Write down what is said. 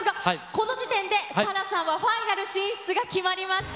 この時点でＳＡＬＡＨさんはファイナル進出が決まりました。